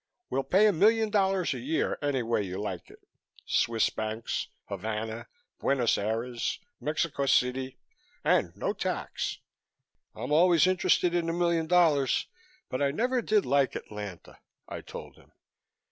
We'll pay a million dollars a year any way you like it Swiss banks, Havana, Buenos Aires, Mexico City and no tax." "I'm always interested in a million dollars but I never did like Atlanta," I told him.